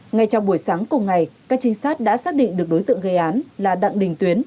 ngay trong buổi sáng cùng ngày các trinh sát đã xác định được đối tượng gây án là đặng đình tuyến